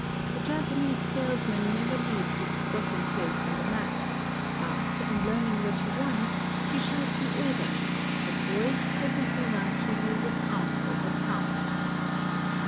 The Japanese sales man never leaves his squatting place on the mats ; but, on learning what you want, he shouts an order, and boys presently run to you with armf uls of samples.